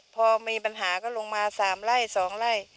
พอมีปัญหาก็ลงมา๓ไร่๒ไร่